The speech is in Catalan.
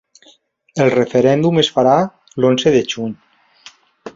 El referèndum es farà l’onze de juny.